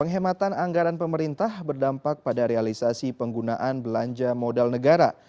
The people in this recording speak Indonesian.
penghematan anggaran pemerintah berdampak pada realisasi penggunaan belanja modal negara